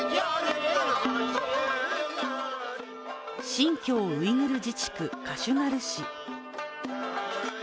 新疆ウイグル自治区、カシュガル市。